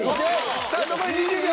さあ残り２０秒。